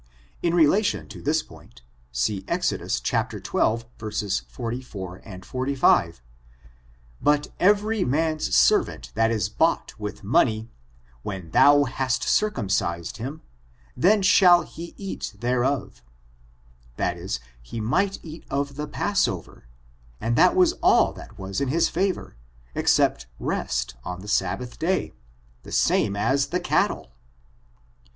In relation to this point, see Exodus xii, 44, 45, " But every man's servant that is bought with money ^ when thou hast circumcised him, then shall he eat thereof;" that is, he might eat of the passover, and that was all that was in his favor, except rest on the sabbath day, the same as the cattle.